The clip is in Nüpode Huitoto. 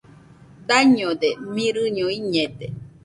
Dañode, mirɨño iñede.